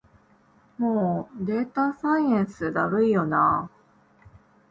もうデータサイエンスだるいよな